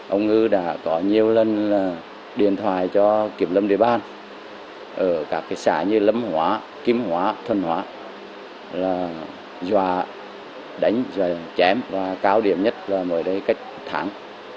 ông ngư đã có nhiều lần điện thoại cho kiểm lâm địa bàn ở các cái xã như lâm hóa kim hóa thân hóa là do đánh và chém và cao điểm nhất là mỗi đây cách tháng